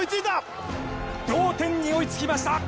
同点に追いつきました。